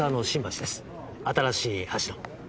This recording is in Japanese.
「新しい橋」の。